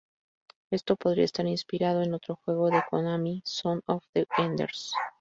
Esto podría estar inspirado en otro juego de Konami, "Zone of the Enders".